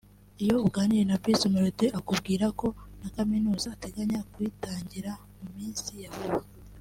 Iyo uganiriye na Bruce Melody akubwira ko na Kaminuza ateganya kuyitangira mu minsi ya vuba